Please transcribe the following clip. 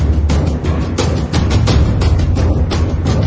แล้วก็พอเล่ากับเขาก็คอยจับอย่างนี้ครับ